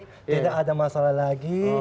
tidak ada masalah lagi